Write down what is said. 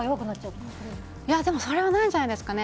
でも、それはないんじゃないですかね。